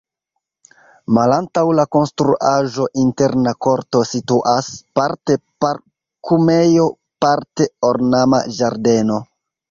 Malantaŭ la konstruaĵo interna korto situas, parte parkumejo, parte ornama ĝardeno.